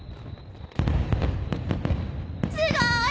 すごい！